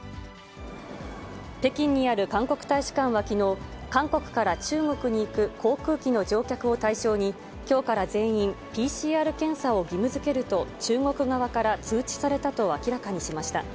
北京にある韓国大使館はきのう、韓国から中国に行く航空機の乗客を対象に、きょうから全員、ＰＣＲ検査を義務づけると、中国側から通知されたと明らかにしました。